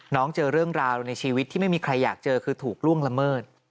เจอเรื่องราวในชีวิตที่ไม่มีใครอยากเจอคือถูกล่วงละเมิด